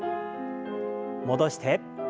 戻して。